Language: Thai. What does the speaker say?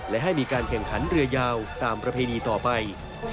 และให้มีการแข่งขันเรือยาวตามประเพณีต่อไป